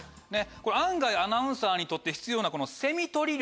案外アナウンサーにとって必要なセミ捕り力。